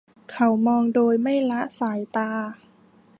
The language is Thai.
เขามองโดยไม่ละสายตา